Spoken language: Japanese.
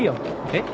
えっ？